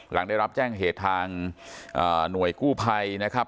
หลังได้รับแจ้งเหตุทางหน่วยกู้ภัยนะครับ